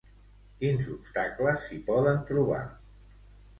Quins obstacles s'hi poden trobar?